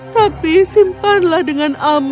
tapi simpanlah dengan hatiku